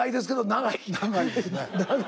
長いですね。